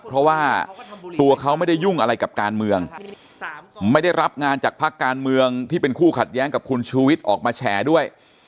เพราะว่าตัวเขาไม่ได้ยุ่งอะไรกับการเมืองไม่ได้รับงานจากพักการเมืองที่เป็นคู่ขัดแย้งกับคุณชูวิทย์ออกมาแฉด้วย